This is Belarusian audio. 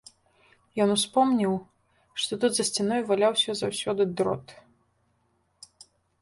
Ён успомніў, што тут за сцяной валяўся заўсёды дрот.